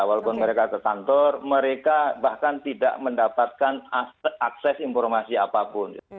walaupun mereka ke kantor mereka bahkan tidak mendapatkan akses informasi apapun